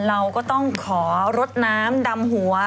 เราก็ต้องขอรดน้ำดำหัว